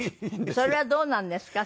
それはどうなんですか？